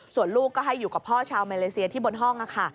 ส่วนลูกก็ให้อยู่กับพ่อชาวมาเลเซียที่บนห้องค่ะ